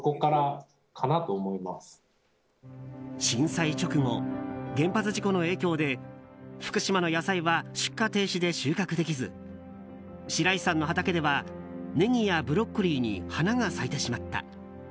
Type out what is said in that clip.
震災直後、原発事故の影響で福島の野菜は出荷停止で収穫できず白石さんの畑ではネギやブロッコリーに花が咲いてしまった。